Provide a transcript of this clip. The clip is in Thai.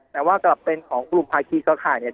แต่ว่ากลับเป็นของกลุ่มภาคีเครือข่ายเนี่ย